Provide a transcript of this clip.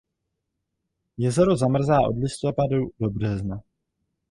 Jezero zamrzá od listopadu do března.